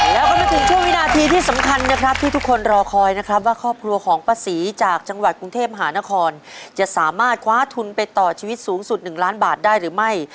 แล้วก็มาถึงช่วงวินาทีที่สำคัญนะครับที่ทุกคนรอคอยนะครับว่าครอบครัวของป้าศรีจากจังหวัดกรุงเทพมหานครจะสามารถคว้าทุนไปต่อชีวิตสูงสุด๑ล้านบาทได้หรือไม่